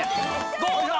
どうだ？